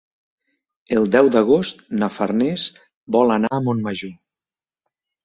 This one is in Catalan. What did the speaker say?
El deu d'agost na Farners vol anar a Montmajor.